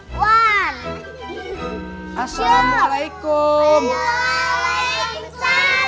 da da da šab shabby enggak